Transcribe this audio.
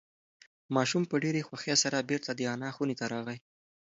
ماشوم په ډېرې خوښۍ سره بیرته د انا خونې ته راغی.